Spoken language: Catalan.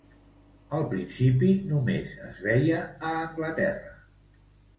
Al principi només es veia a Anglaterra.